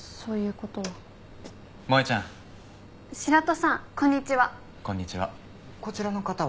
こんにちは。